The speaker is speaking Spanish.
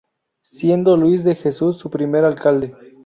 Siendo Luis de Jesús su primer alcalde.